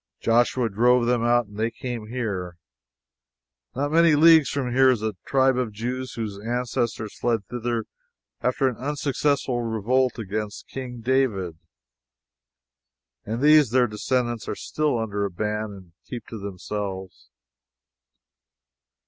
Joshua drove them out, and they came here. Not many leagues from here is a tribe of Jews whose ancestors fled thither after an unsuccessful revolt against King David, and these their descendants are still under a ban and keep to themselves.